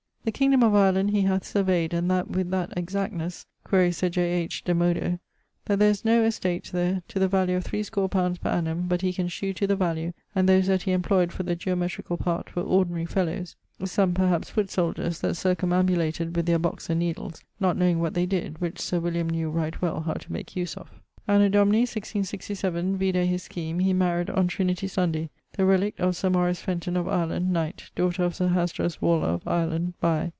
The kingdome of Ireland he hath surveyed, and that with that exactnesse (quaere Sir J. H. de modo), that there is no estate the to the value of threscore pounds per annum but he can shew, to the value, and those that he employed for the geometricall part were ordinary fellowes, some (perhaps) foot soldiers, that circumambulated with their box and needles, not knowing what they did, which Sir William knew right well how to make use of. Anno Domini 1667 (vide his Scheme), he maried on Trinity Sunday ... the relict of Sir Fenton, of Ireland, knight, daughter of Sir Hasdras Waller of Ireland by